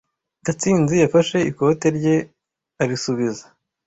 Gatsinzi yafashe ikote rye arisubiza.